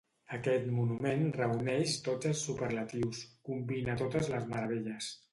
Aquest monument reuneix tots els superlatius, combina totes les meravelles.